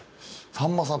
さんまさん